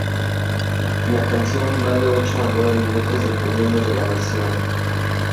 La canción va de ocho a nueve minutos dependiendo de la versión.